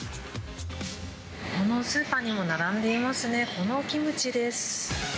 このスーパーにも並んでいますね、このキムチです。